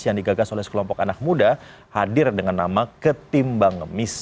yang digagas oleh sekelompok anak muda hadir dengan nama ketimbang ngemis